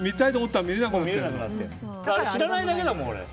あれ知らないだけだもん、俺。